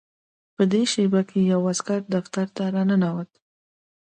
په دې شېبه کې یو عسکر دفتر ته راننوت